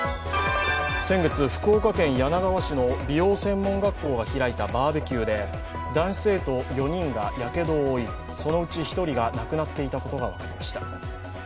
先月、福岡県柳川市の美容専門学校が開いたバーベキューで、男子生徒４人がやけどを負い、そのうち１人が亡くなっていたことが分かりました。